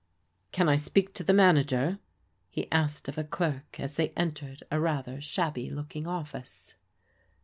"Can I speak to the manager?" he asked of a clerk as they entered a rather shabby looking office.